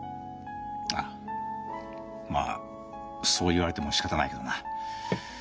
ああまあそう言われてもしかたないけどな。